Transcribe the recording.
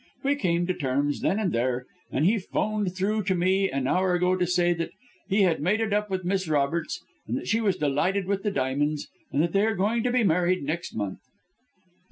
We came to terms then and there, and he 'phoned through to me an hour ago to say that he had made it up with Miss Roberts, that she was delighted with the diamonds, and that they are going to be married next month."